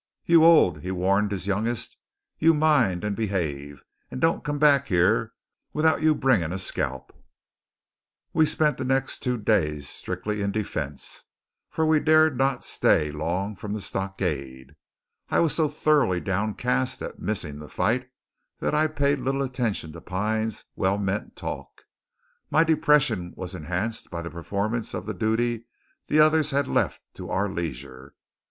"You Old," he warned his youngest, "you mind and behave; and don't come back yere without'n you bring a skelp!" We spent the next two days strictly in defence, for we dared not stay long from the stockade. I was so thoroughly downcast at missing the fight that I paid little attention to Pine's well meant talk. My depression was enhanced by the performance of the duty the others had left to our leisure.